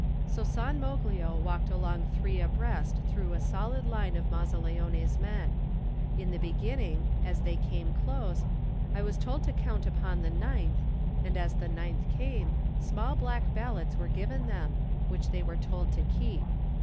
So San Moglio walked along three abreast through a solid line of Mazzaleone's men. In the beginning, as they came close, I was told to count upon the ninth, and as the ninth came, small black ballots were given them, which they were told to keep.